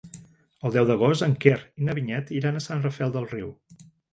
El deu d'agost en Quer i na Vinyet iran a Sant Rafel del Riu.